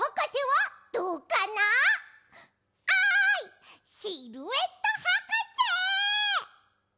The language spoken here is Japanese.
おいシルエットはかせ！